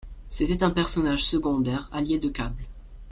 C'est un personnage secondaire allié de Cable.